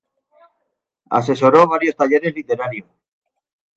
Asesoró varios talleres literarios.